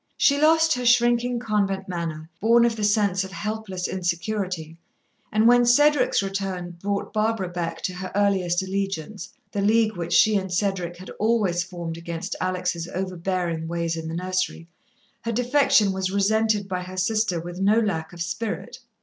She lost her shrinking convent manner, born of the sense of helpless insecurity, and when Cedric's return brought Barbara back to her earliest allegiance the league which she and Cedric had always formed against Alex' overbearing ways in the nursery her defection was resented by her sister with no lack of spirit.